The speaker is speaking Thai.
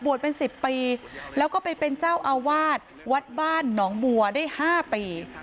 เป็น๑๐ปีแล้วก็ไปเป็นเจ้าอาวาสวัดบ้านหนองบัวได้๕ปี